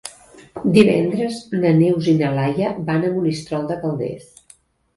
Divendres na Neus i na Laia van a Monistrol de Calders.